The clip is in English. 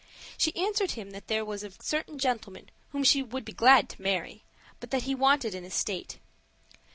She answered him that there was a certain gentleman whom she would be glad to marry, but that he wanted an estate.